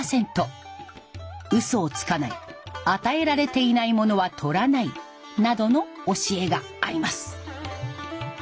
うそをつかない与えられていないものは取らないなどの教えがあります。